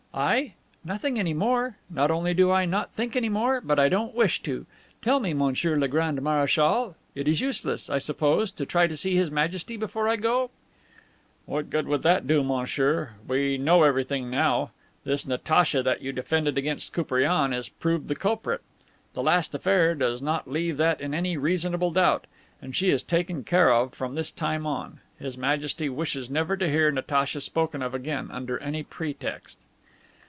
"I? Nothing any more. Not only do I not think any more, but I don't wish to. Tell me, Monsieur le Grand Marechal, it is useless, I suppose, to try to see His Majesty before I go?" "What good would it do, monsieur? We know everything now. This Natacha that you defended against Koupriane is proved the culprit. The last affair does not leave that in any reasonable doubt. And she is taken care of from this time on. His Majesty wishes never to hear Natacha spoken of again under any pretext."